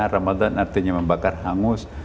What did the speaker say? ramadan artinya membakar hangus